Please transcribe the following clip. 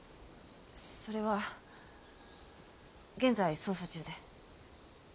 それは現在捜査中で。